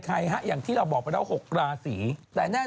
ภายธรรมชาติ